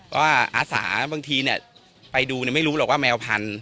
เพราะว่าอาสาบางทีเนี่ยไปดูเนี่ยไม่รู้หรอกว่าแมวพัน